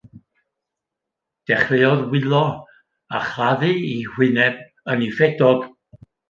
Dechreuodd wylo, a chladdu ei hwyneb yn ei ffedog.